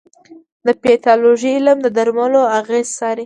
د پیتالوژي علم د درملو اغېز څاري.